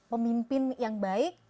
pemimpin yang baik